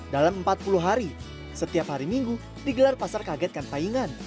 dalam empat puluh hari setiap hari minggu digelar pasar kagetkan paingan